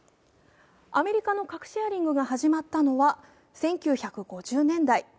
アメリカの核シェアリングが始まったのは１９５０年代。